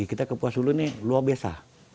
kita kabupaten kepuasulu ini luar biasa